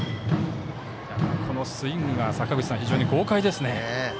このスイングが非常に豪快ですね。